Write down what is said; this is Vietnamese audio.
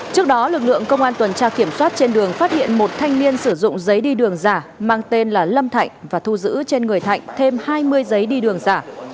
trước đó lực lượng công an tuần tra kiểm soát trên đường phát hiện một thanh niên sử dụng giấy đi đường giả mang tên là lâm thạnh và thu giữ trên người thạnh thêm hai mươi giấy đi đường giả